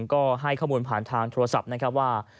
ก็ให้ข้อมูลผ่านทางโทรศัพท์ว่า